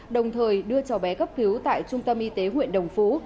đồng thời đưa cháu bé cấp cứu tại trung tâm y tế huyện đồng phú